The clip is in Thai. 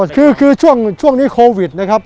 คือช่วงนี้โควิดนะครับ